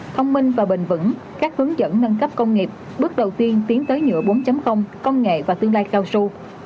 thông minh và bền vững các hướng dẫn nâng cấp công nghiệp bước đầu tiên tiến tới nhựa bốn công nghệ và tương lai cao su